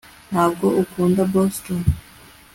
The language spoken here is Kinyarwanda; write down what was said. ntabwo ukunda boston